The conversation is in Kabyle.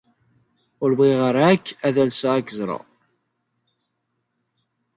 Ur bɣiɣ ara akk ad alseɣ ad k-ẓreɣ.